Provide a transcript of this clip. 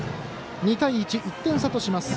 ２対１、１点差とします。